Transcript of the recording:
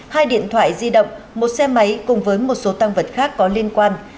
hai điện thoại di động một xe máy cùng với một số tăng vật khác có liên quan